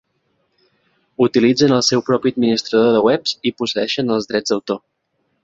Utilitzen el seu propi administrador de webs i posseeixen els drets d'autor.